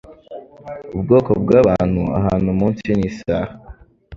ubwoko bwabantu ahantu umunsi nisaha